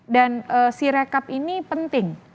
dan si rekap ini penting